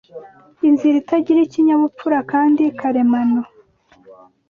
Inzira itagira ikinyabupfura kandi karemano